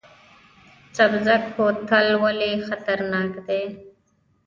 سبزک کوتل ولې خطرناک دی؟